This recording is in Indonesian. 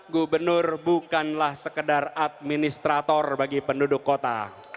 gubernur bukanlah sekedar administrator bagi penduduk kota